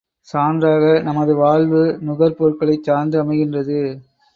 சான்றாக நமது வாழ்வு நுகர் பொருள்களைச் சார்ந்து அமைகின்றது.